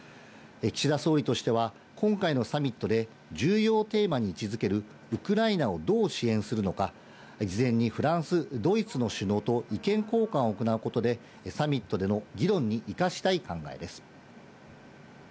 岸田総理としては今回のサミットで、重要テーマに位置づけるウクライナをどう支援するのか、事前にフランス、ドイツの首脳と意見交換を行うことで、サミットでの議論に生かしたい考えです。